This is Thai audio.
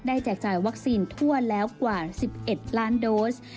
แจกจ่ายวัคซีนทั่วแล้วกว่า๑๑ล้านโดส